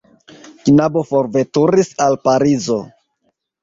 Knabo forveturis al Parizo.